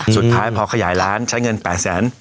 สุดท้ายพอขยายร้านใช้เงิน๘แสน